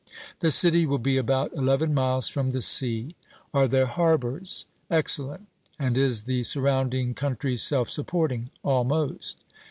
'The city will be about eleven miles from the sea.' Are there harbours? 'Excellent.' And is the surrounding country self supporting? 'Almost.'